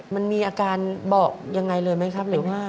มันมีอาการบอกยังไงเลยไหมครับหรือว่า